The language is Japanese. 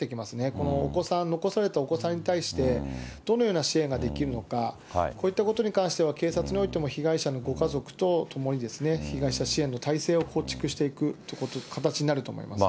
このお子さん、残されたお子さんに対して、どのような支援ができるのか、こういったことに関しては警察においても被害者のご家族と共に、被害者支援の態勢を構築していくという形になると思いますね。